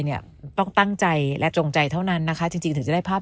เนี่ยต้องตั้งใจและจงใจเท่านั้นนะคะจริงถึงจะได้ภาพ